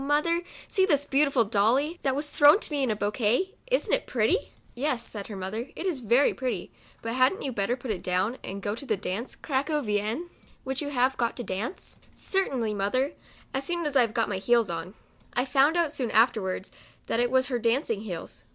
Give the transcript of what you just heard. mother, see this beautiful Dolly, that was thrown to me in a bouquet ; isn't it pretty 1 "" Yes, " said her mother, " it is very pretty, but hadn't you better put it down, and go and dance the " Craccovienne," which you have got to dance ?"" Certainly, mother, as soon as I have got my heels on." I found out soon afterwards that it was her dancing heels.